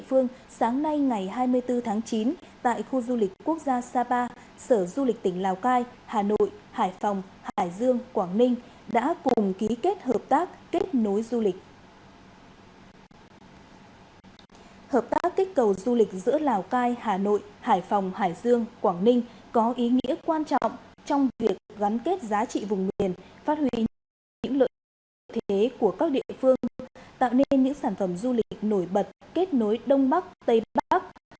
phát huy những lợi thế của các địa phương tạo nên những sản phẩm du lịch nổi bật kết nối đông bắc tây bắc